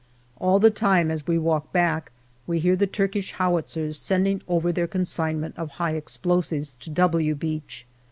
All the time, as we walk back, we hear the Turkish howitzers sending over their consignment of high explosives to " W " Beach.